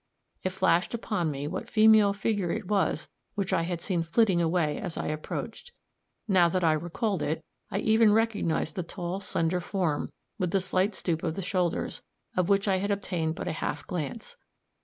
It flashed upon me what female figure it was which I had seen flitting away as I approached; now that I recalled it, I even recognized the tall, slender form, with the slight stoop of the shoulders, of which I had obtained but a half glance.